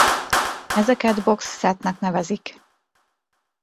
Ezeket box setnek nevezik.